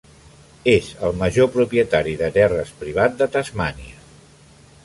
És el major propietari de terres privat de Tasmània.